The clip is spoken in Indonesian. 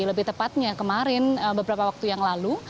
lebih tepatnya kemarin beberapa waktu yang lalu